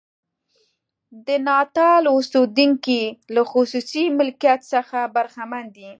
د ناتال اوسېدونکي له خصوصي مالکیت څخه برخمن دي.